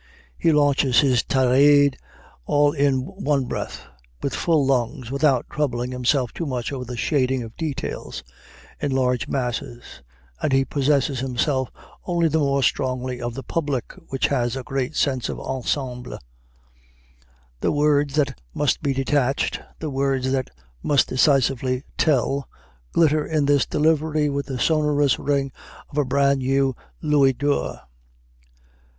He launches his tirades all in one breath, with full lungs, without troubling himself too much over the shading of details, in large masses, and he possesses himself only the more strongly of the public, which has a great sense of ensemble. The words that must be detached, the words that must decisively 'tell,' glitter in this delivery with the sonorous ring of a brand new louis d'or.